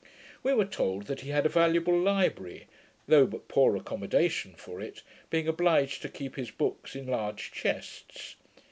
We were told, that he had a valuable library, though but poor accomodation for it, being obliged to keep his books in large chests.